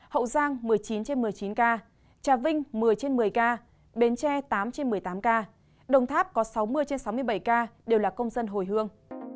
hậu giang một mươi chín trên một mươi chín ca trà vinh một mươi trên một mươi ca bến tre tám trên một mươi tám ca đồng tháp có sáu mươi trên sáu mươi bảy ca đều là công dân hồi hương